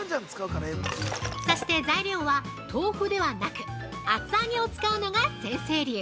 そして材料は、豆腐ではなく厚揚げを使うのが先生流！